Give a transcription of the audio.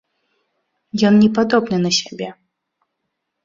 Ён непадобны на сябе.